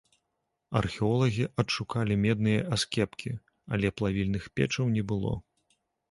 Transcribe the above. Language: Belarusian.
Археолагі адшукалі медныя аскепкі, але плавільных печаў не было.